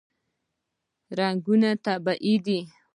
رنګونه یې طبیعي دي.